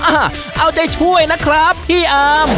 อ่ะเอาใจช่วยนะครับพี่อาร์ม